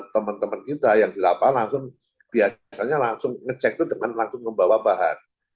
teman teman kita yang dilapak langsung biasanya langsung ngecek tuh dengan langsung membawa bahan